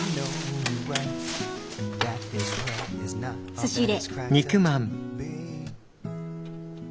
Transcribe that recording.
差し入れ。